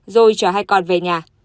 rồi chở hai con về nhà